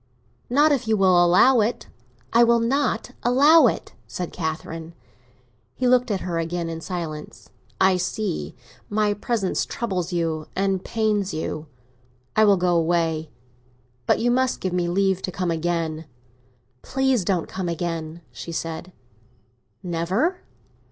Not if you will allow it." "I will not allow it!" said Catherine. He looked at her again in silence. "I see; my presence troubles you and pains you. I will go away; but you must give me leave to come again." "Please don't come again," she said. "Never?